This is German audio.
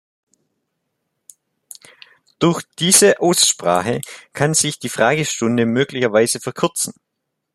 Durch diese Aussprachen kann sich die Fragestunde möglicherweise verkürzen.